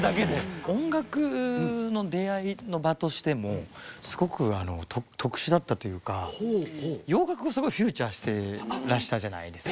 音楽の出会いの場としてもすごくあの特殊だったというか洋楽をすごいフューチャーしてらしたじゃないですか。